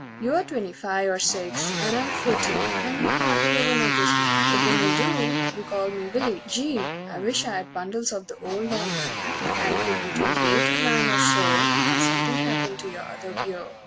You're twenty five or six, and I'm fourteen, And you don't hardly ever notice me But when you do, you call me Willie! Gee, I wisht I'd bundles of the old long green And could be twenty eight or nine or so, And something happened to your other beau.